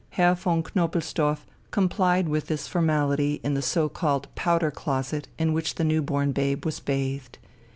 Herr von Knobelsdorff complied with this formality in the so called powder closet in which the new born babe was bathed.